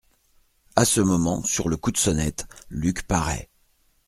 A ce moment, sur le coup de sonnette, Luc paraît.